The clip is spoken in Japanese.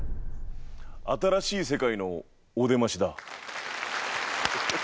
新しい世界のおでましだ。